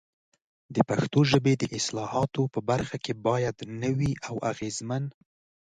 د پښتو ژبې د اصطلاحاتو په برخه کې باید نوي او اغېزمن